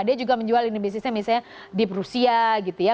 dia juga menjual ini bisnisnya misalnya di rusia gitu ya